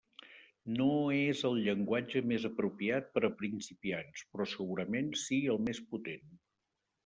No és el llenguatge més apropiat per a principiants, però segurament si el més potent.